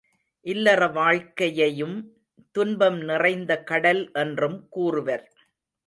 இல்லற வாழ்க்கையையும் துன்பம் நிறைந்த கடல் என்றும் கூறுவர்.